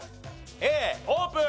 Ａオープン！